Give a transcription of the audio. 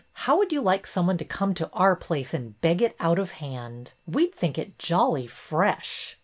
How would you like some one to come to our place and beg it out of hand? We 'd think it jolly fresh."